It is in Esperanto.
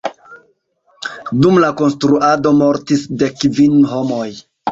Dum la konstruado mortis dek kvin homoj.